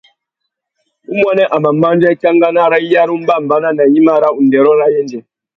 Umuênê a mà mándjá ikankana râ iyara umbámbànà nà gnïmá râ undêrô râ yêndzê.